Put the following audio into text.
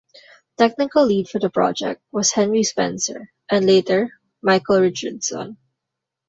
Technical lead for the project was Henry Spencer, and later Michael Richardson.